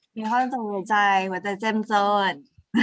มีค่าต่อหัวใจหัวใจเจ้มส้ด